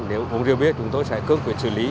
nếu không uống rượu bia chúng tôi sẽ cơ quyết xử lý